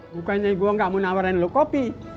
bukannya gue gak mau nawarin lo kopi